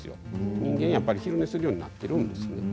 人間は昼寝するようになっているんです。